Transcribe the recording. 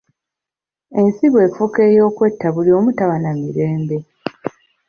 Ensi bw'efuuka ey'okwetta buli omu taba na Mirembe.